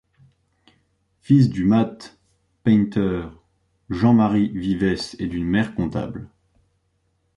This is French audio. Fils du matte painter Jean-Marie Vivès et d'une mère comptable.